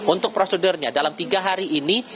untuk prosedurnya dalam tiga hari ini